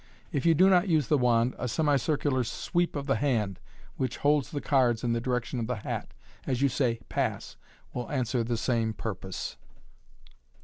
If you do not use the wand, a semi circular sweep of the hand which holds the cards in the direction of the hat, as you say " Pass," will answer the same purpose.